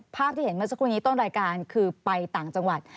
ภาพที่เห็นเมื่อสักครู่นี้ต้นรายการคือไปต่างจังหวัด